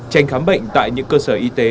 tránh khám bệnh tại những cơ sở y tế